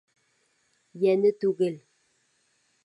— Йәне түгел.